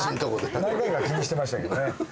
何回か気にしてましたけどね。